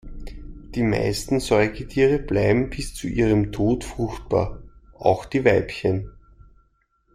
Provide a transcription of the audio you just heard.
Die meisten Säugetiere bleiben bis zu ihrem Tod fruchtbar, auch die Weibchen.